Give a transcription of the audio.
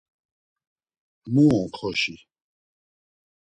Mu on xoşi!